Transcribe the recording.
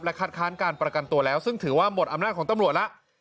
คัดค้านการประกันตัวแล้วซึ่งถือว่าหมดอำนาจของตำรวจแล้ว